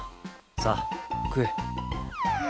さあ食え。